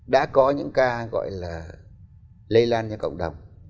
đã có những ca gọi là lây lan ra cộng đồng